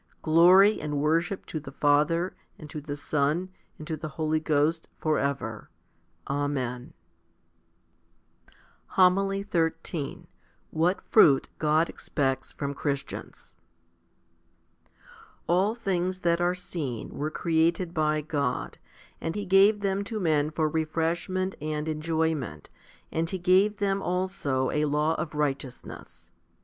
Glory and worship to the Father, and to the Son, and to the Holy Ghost, for ever. Amen. 1 John xiv. 6. HOMILY XIII What fruit God expects from Christians. i. ALL things that are seen were created by God, and He gave them to men for refreshment and enjoyment, and He gave them also a law of righteousness.